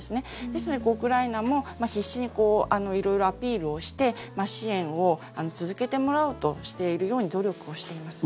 ですのでウクライナも必死に色々アピールをして支援を続けてもらおうとしているように努力をしています。